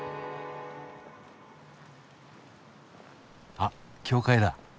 あ教会だ。